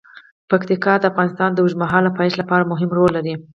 پکتیکا د افغانستان د اوږدمهاله پایښت لپاره مهم رول لري.